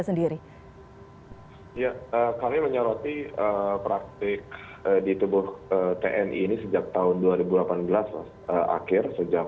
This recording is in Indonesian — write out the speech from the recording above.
sendiri ya kami menyoroti praktik di tubuh tni ini sejak tahun dua ribu delapan belas akhir sejak